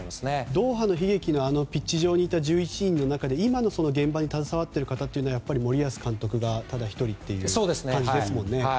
ドーハの悲劇のピッチ上にいた１１人の中で今の現場に携わっているのは森保監督ただ１人という感じですもんね。